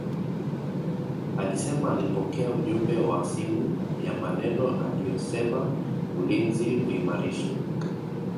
Alisema alipokea ujumbe wa simu ya maneno aliyosema ulinzi uimarishwe